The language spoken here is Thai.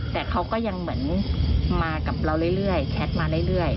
แต่เขาก็ยังเหมือนมากับเราเรื่อยแชทมาเรื่อย